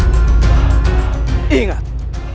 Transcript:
aku tidak akan menang